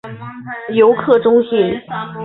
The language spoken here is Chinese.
游客中心